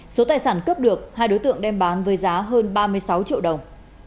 số tài sản cướp được hai đối tượng đem bán với giá hơn ba mươi sáu triệu đồng